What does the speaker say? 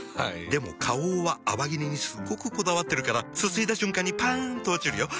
でも花王は泡切れにすっごくこだわってるからすすいだ瞬間にパン！と落ちるよ。